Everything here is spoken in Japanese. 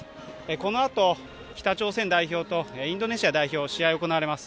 このあと、北朝鮮代表とインドネシア代表試合が行われます。